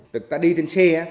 tụi ta đi trên xe